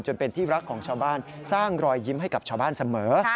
จนเป็นที่รักของชาวบ้านสร้างรอยยิ้มให้กับชาวบ้านเสมอ